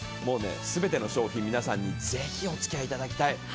もうね全ての商品皆さんにぜひお付き合い頂きたい。